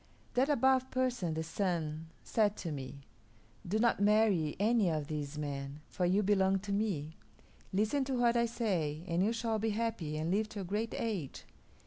That Above Person, the Sun, said to me, 'Do not marry any of these men, for you belong to me. Listen to what I say, and you shall be happy and live to a great age.'